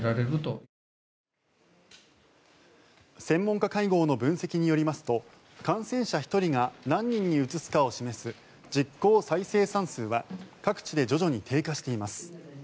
専門家会合の分析によりますと感染者１人が何人にうつすかを示す実効再生産数は各地で徐々に低下しています。